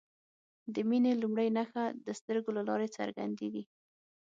د مینې لومړۍ نښه د سترګو له لارې څرګندیږي.